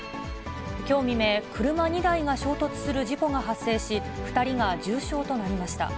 きょう未明、車２台が衝突する事故が発生し、２人が重傷となりました。